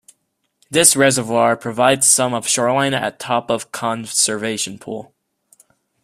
This reservoir provides some of shoreline at top of conservation pool.